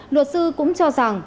luật sư cũng cho rằng